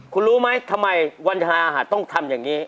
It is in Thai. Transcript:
คุณรู้มั้ยทำไมวันทหารอาหารต้องทำอย่างนี้